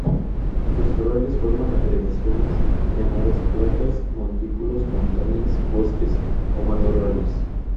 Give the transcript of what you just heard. Los corales forman agregaciones llamadas placas, montículos, montañas, bosques o matorrales.